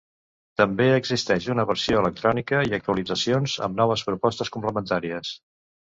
També existeix una versió electrònica i actualitzacions amb noves propostes complementàries.